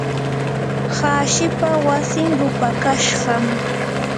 hashipa wasin rupakashqam.